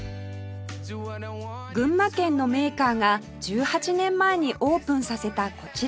群馬県のメーカーが１８年前にオープンさせたこちら